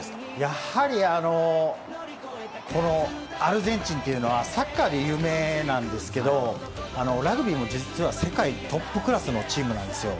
やはり、アルゼンチンはサッカーで有名なんですがラグビーも実は世界トップクラスのチームなんです。